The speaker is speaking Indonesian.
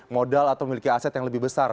modal atau memiliki aset yang lebih besar